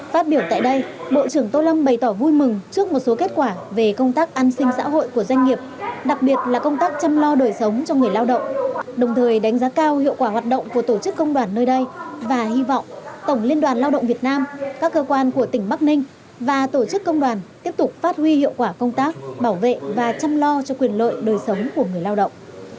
phát biểu tại đây bộ trưởng tô lâm bày tỏ vui mừng trước một số kết quả về công tác an sinh xã hội của doanh nghiệp đặc biệt là công tác chăm lo đời sống cho người lao động đồng thời đánh giá cao hiệu quả hoạt động của tổ chức công đoàn nơi đây và hy vọng tổng liên đoàn lao động việt nam các cơ quan của tỉnh bắc ninh và tổ chức công đoàn tiếp tục phát huy hiệu quả công tác bảo vệ và chăm lo cho quyền lợi đời sống của người lao động